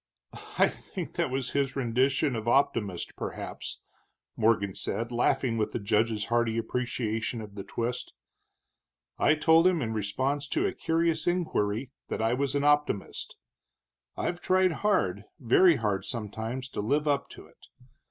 "I think that was his rendition of optimist, perhaps," Morgan said, laughing with the judge's hearty appreciation of the twist. "I told him, in response to a curious inquiry, that I was an optimist. I've tried hard very hard, sometimes to live up to it.